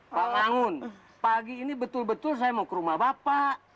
pak mangun pagi ini betul betul saya mau ke rumah bapak